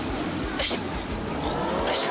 よいしょ。